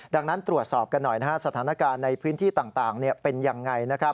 ดังนั้นตรวจสอบกันหน่อยสถานการณ์ในพื้นที่ต่างเป็นอย่างไร